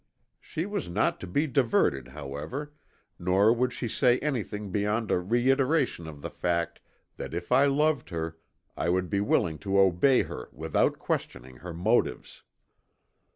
She was not to be diverted, however, nor would she say anything beyond a reiteration of the fact that if I loved her I would be willing to obey her without questioning her motives.